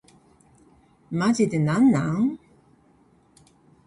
マジでなんなん